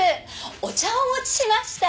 お茶をお持ちしました。